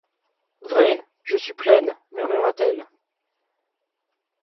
Vrai, je suis pleine, murmura-t-elle.